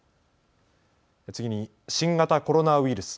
次に、新型コロナウイルス。